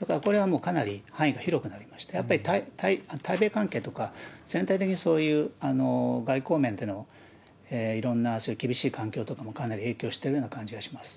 だからこれはかなり範囲が広くなりまして、やっぱり対米関係とか、全体的にそういう外交面でのいろんな厳しい環境とかも、かなり影響してるような感じがします。